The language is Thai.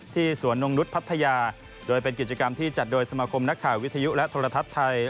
สวนนงนุษย์พัทยาโดยเป็นกิจกรรมที่จัดโดยสมาคมนักข่าววิทยุและโทรทัศน์ไทย